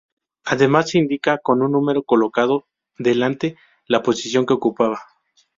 Además, se indica con un número, colocado delante, la posición que ocupan.